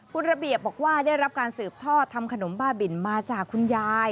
คุณระเบียบบอกว่าได้รับการสืบทอดทำขนมบ้าบินมาจากคุณยาย